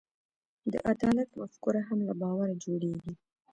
د عدالت مفکوره هم له باور جوړېږي.